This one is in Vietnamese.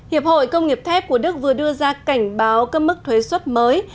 hiệp hội công nghiệp thép của đức vừa đưa ra cảnh báo cấp mức thuế xuất mới